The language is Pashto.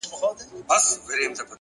هوښیار انسان هره شېبه ارزوي.